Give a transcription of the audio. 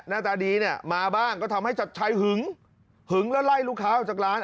หน้าตาดีเนี่ยมาบ้างก็ทำให้ชัดชัยหึงหึงแล้วไล่ลูกค้าออกจากร้าน